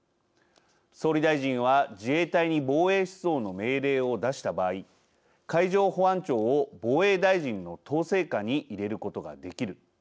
「総理大臣は自衛隊に防衛出動の命令を出した場合海上保安庁を防衛大臣の統制下に入れることができる」